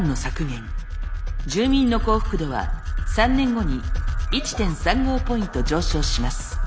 住民の幸福度は３年後に１．３５ポイント上昇します。